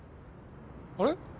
あれ？